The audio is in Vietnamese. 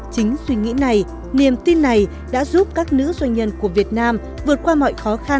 chính suy nghĩ này niềm tin này đã giúp các nữ doanh nhân của việt nam vượt qua mọi khó khăn